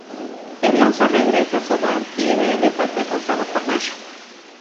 El oso regresa a su hogar y ve el desastre causado por Masha.